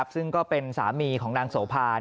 ซึ่งก็เป็นสามีของนางโสภา